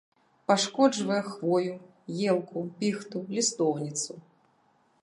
Пашкоджвае хвою, елку, піхту, лістоўніцу.